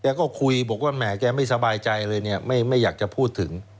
ก็คุยบอกว่าแหมแกไม่สบายใจเลยเนี่ยไม่อยากจะพูดถึง